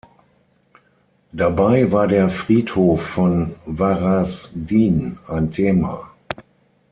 Dabei war der Friedhof von Varaždin ein Thema.